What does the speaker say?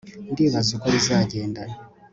ndibaza uko bizagenda